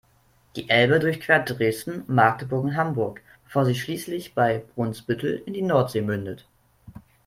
Die Elbe durchquert Dresden, Magdeburg und Hamburg, bevor sie schließlich bei Brunsbüttel in die Nordsee mündet.